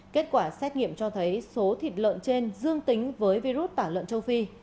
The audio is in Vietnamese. kết quả xét nghiệm cho thấy số thịt lợn trên dương tính với virus tả lợn châu phi